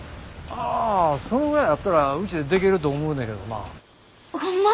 ああそのぐらいやったらうちでできると思うねけどな。ホンマ！？